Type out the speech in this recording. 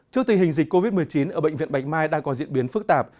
trước tình hình dịch covid một mươi chín ở bệnh viện bạch mai đang có diễn biến phức tạp